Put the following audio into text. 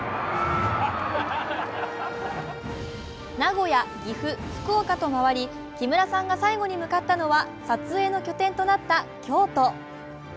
名古屋、岐阜、福岡と回り木村さんが最後に向かったのは撮影の拠点となった京都。